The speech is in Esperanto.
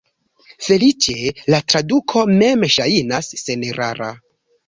Feliĉe, la traduko mem ŝajnas senerara.